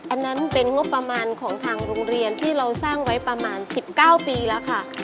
อันนั้นเป็นงบประมาณของทางโรงเรียนที่เราสร้างไว้ประมาณ๑๙ปีแล้วค่ะ